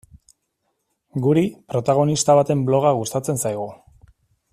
Guri, protagonista baten bloga gustatzen zaigu.